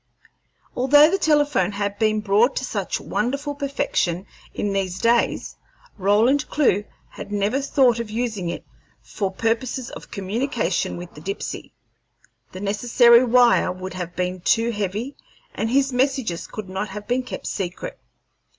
Although the telephone had been brought to such wonderful perfection in these days, Roland Clewe had never thought of using it for purposes of communication with the Dipsey. The necessary wire would have been too heavy, and his messages could not have been kept secret.